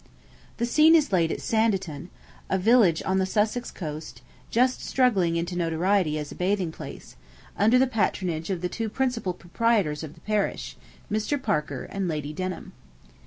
The scene is laid at Sanditon, a village on the Sussex coast, just struggling into notoriety as a bathing place, under the patronage of the two principal proprietors of the parish, Mr. Parker and Lady Denham.